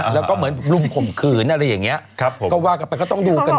แล้วก็เหมือนลุมข่มขืนอะไรอย่างนี้ก็ว่ากันไปก็ต้องดูกัน